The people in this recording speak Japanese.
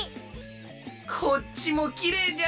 こっちもきれいじゃの。